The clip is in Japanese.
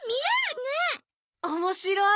おもしろい！